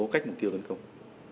cách mục tiêu gần cổng